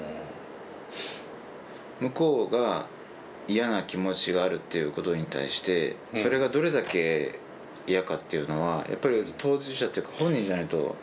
向こうが嫌な気持ちがあるっていうことに対してそれがどれだけ嫌かっていうのはやっぱり当事者っていうか本人じゃないと。